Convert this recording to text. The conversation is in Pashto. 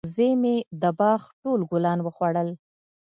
وزې مې د باغ ټول ګلان وخوړل.